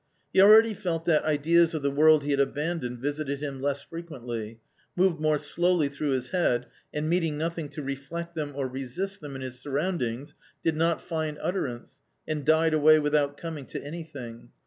He already felt that ideas of the world he had abandoned visited him less frequently, moved more slowly through his head, and meeting nothing to reflect them or resist them in his surroundings, did not find utterance and died away without coming to anything.